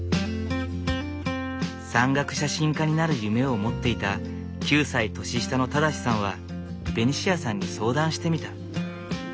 山岳写真家になる夢を持っていた９歳年下の正さんはベニシアさんに相談してみた。